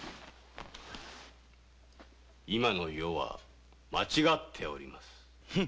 今の世は間違っております。